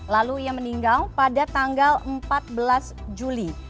lalu ia meninggal pada tanggal empat belas juli